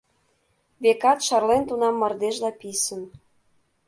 Векат, шарлен тунам мардежла писын.